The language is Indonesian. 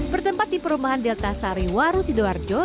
bertempat di perumahan delta sariwaru sido arjo